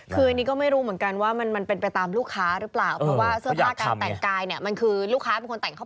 คืออันนี้ก็ไม่รู้เหมือนกันว่ามันเป็นไปตามลูกค้าหรือเปล่า